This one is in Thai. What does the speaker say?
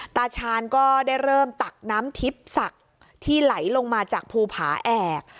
ตาชาญก็ได้เริ่มตักน้ำทิพย์ศักดิ์ที่ไหลลงมาจากภูผาแอก